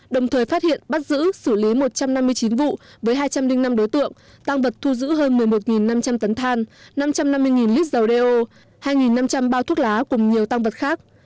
đồng thời phát hiện bắt giữ xử lý một trăm năm mươi chín vụ với hai trăm linh năm đối tượng tăng vật thu giữ hơn một mươi một năm trăm linh tấn than năm trăm năm mươi lít dầu đeo hai năm trăm linh bao thuốc lá cùng nhiều tăng vật khác